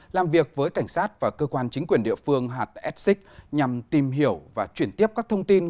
làm việc với cảnh sát và cơ quan chính quyền địa phương hatsx nhằm tìm hiểu và chuyển tiếp các thông tin